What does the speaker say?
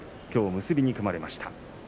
きょう結びに組まれました。